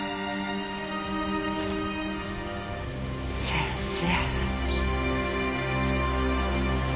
先生。